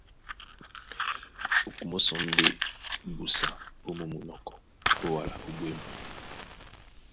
A kumó sɔ́ ndé busa ó mú munɔkɔ ó wala ó ɓwěma.